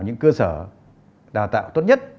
những cơ sở đào tạo tốt nhất